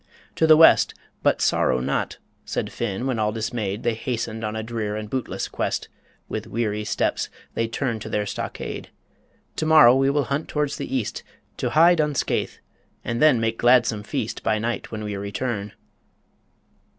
To the west "But sorrow not," said Finn, when all dismay'd They hastened on a drear and bootless quest With weary steps they turned to their stockade, "To morrow will we hunt towards the east To high Dunskaith, and then make gladsome feast By night when we return."